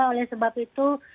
oleh sebab itu